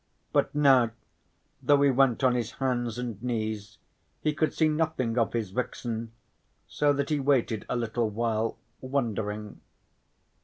But now, though he went on his hands and knees, he could see nothing of his vixen, so that he waited a little while wondering.